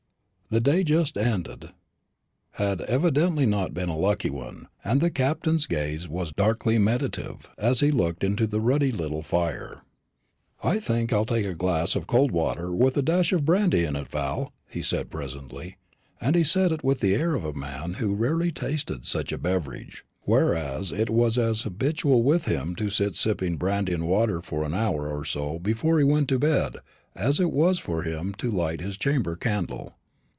The day just ended had evidently not been a lucky one, and the Captain's gaze was darkly meditative as he looked into the ruddy little fire. "I think I'll take a glass of cold water with a dash of brandy in it, Val," he said presently; and he said it with the air of a man who rarely tasted such a beverage; whereas it was as habitual with him to sit sipping brandy and water for an hour or so before he went to bed as it was for him to light his chamber candle.